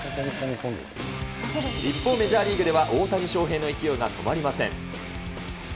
一方メジャーリーグでは、大谷翔平の勢いが止まりません。